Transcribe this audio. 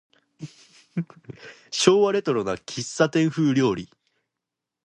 昭和レトロな喫茶店風料理